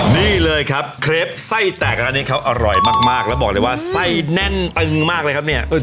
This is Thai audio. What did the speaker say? นี่เลยครับเครปไส้แตกร้านนี้เขาอร่อยมากแล้วบอกเลยว่าไส้แน่นตึงมากเลยครับเนี่ย